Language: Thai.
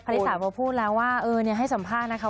คลาฬิสาเพราะพูดแล้วว่าให้สัมภาษณ์นะคะ